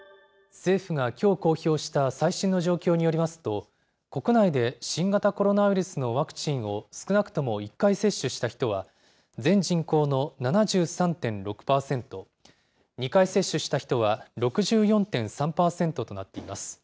政府がきょう公表した最新の状況によりますと、国内で新型コロナウイルスのワクチンを少なくとも１回接種した人は、全人口の７３．６％、２回接種した人は６４．３％となっています。